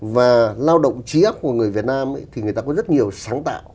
và lao động trí ác của người việt nam thì người ta có rất nhiều sáng tạo